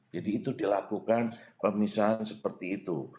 jadi itu dilakukan pemisahan seperti itu